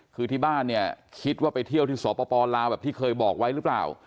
คือที่บ้านเนี่ยคิดว่าไปเที่ยวที่สปลาวแบบที่เคยบอกไว้หรือเปล่า